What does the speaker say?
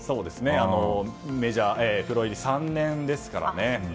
メジャープロ入り３年ですから。